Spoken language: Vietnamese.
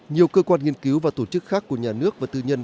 nhiều cơ quan nghiên cứu và tổ chức khác của nhà nước và tư nhân